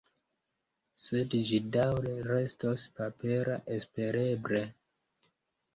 Sed ĝi daŭre restos papera, espereble.